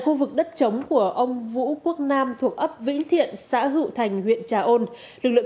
khu vực đất chống của ông vũ quốc nam thuộc ấp vĩnh thiện xã hữu thành huyện trà ôn lực lượng